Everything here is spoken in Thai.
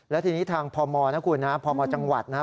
และทีนี้ทางพมนะคุณนะพมจังหวัดนะครับ